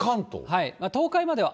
東海までは雨。